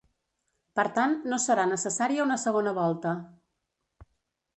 Per tant, no serà necessària una segona volta.